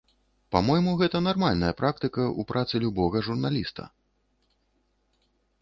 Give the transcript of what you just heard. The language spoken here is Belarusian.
Па-мойму, гэта нармальная практыка ў працы любога журналіста.